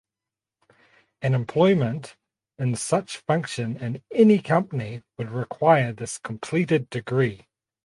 An employment in such function in any company would require this completed degree.